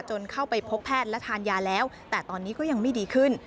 เข้าไปพบแพทย์และทานยาแล้วแต่ตอนนี้ก็ยังไม่ดีขึ้น